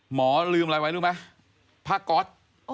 หมอลืมอะไรไว้รู้ไหมผ้าก๊อต